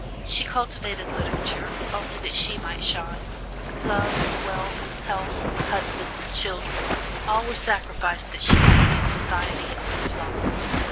She cultivated literature, only that she might shine. Love, wealth, health, husband, children all were sacrificed that she might lead society and win applause.